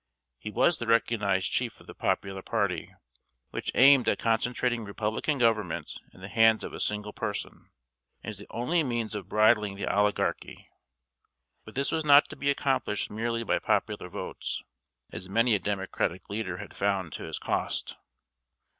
He was the recognized chief of the popular party, which aimed at concentrating Republican government in the hands of a single person, as the only means of bridling the oligarchy. But this was not to be accomplished merely by popular votes, as many a democratic leader had found to his cost.